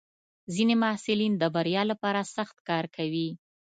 ځینې محصلین د بریا لپاره سخت کار کوي.